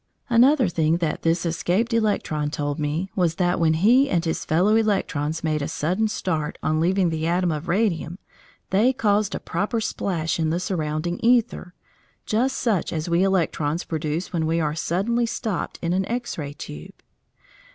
Another thing that this escaped electron told me was that when he and his fellow electrons made a sudden start on leaving the atom of radium they caused a proper splash in the surrounding æther, just such as we electrons produce when we are suddenly stopped in an X ray tube.